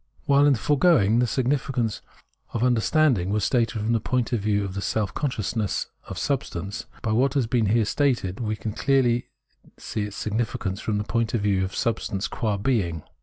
While, in the foregoing, the significance of Under 54 Phenomenology of Mind standing was stated from the point of view of the self consciousness of substance ; by what has been here stated we can see clearly its significance from the point of view of substance qua being.